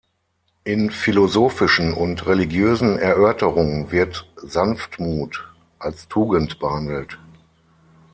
In philosophischen und religiösen Erörterungen wird Sanftmut als Tugend behandelt.